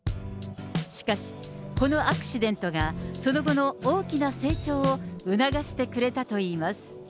しかし、このアクシデントが、その後の大きな成長を促してくれたといいます。